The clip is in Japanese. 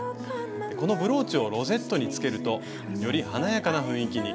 このブローチをロゼットにつけるとより華やかな雰囲気に。